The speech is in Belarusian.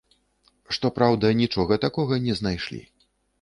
Што праўда, нічога такога не знайшлі.